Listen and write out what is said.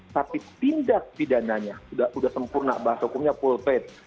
tapi tindak pidananya sudah sempurna bahas hukumnya pulpet